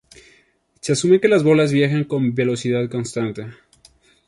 Se asume que las bolas viajan con velocidad constante.